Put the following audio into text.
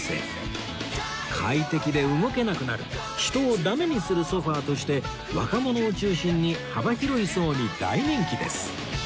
快適で動けなくなる人をダメにするソファとして若者を中心に幅広い層に大人気です